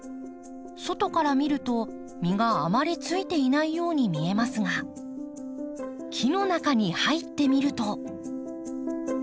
外から見ると実があまりついていないように見えますが木の中に入ってみると。